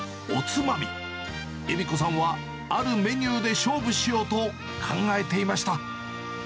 ゆみ子さんはあるメニューで勝負しようと考えていました。